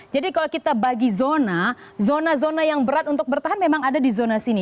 jadi kalau kita bagi zona zona zona yang berat untuk bertahan memang ada di zona sini